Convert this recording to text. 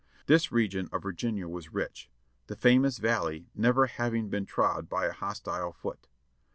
This region of Virginia was rich, the famous valley never hav ing been trod by a hostile foot.